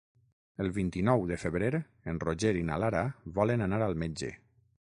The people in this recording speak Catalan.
El vint-i-nou de febrer en Roger i na Lara volen anar al metge.